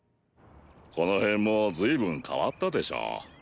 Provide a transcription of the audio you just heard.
この辺も随分変わったでしょう？